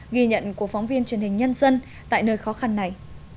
ghi nhận của phóng viên truyền hình nhân dân tại nơi khó khăn này